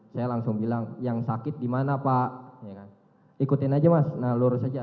saya langsung bilang yang sakit di mana pak ikutin aja mas nah lurus aja